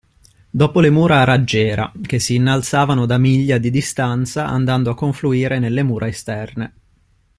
Dopo le mura a raggiera, che si innalzavano da miglia di distanza andando a confluire nelle mura esterne.